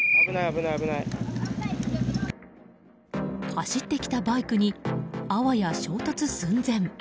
走ってきたバイクにあわや衝突寸前。